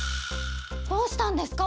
どうしたんですか？